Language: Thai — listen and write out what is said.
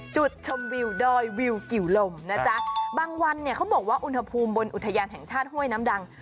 จุดชมวิวดอยวิวกิวลมนะจ๊ะบางวันเนี่ยเขาบอกว่าอุณหภูมิบนอุทยานแห่งชาติห้วยน้ำดัง